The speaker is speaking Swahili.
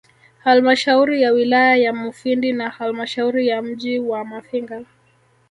Halmashauri ya wilaya ya Mufindi na Halmashauri ya mji wa Mafinga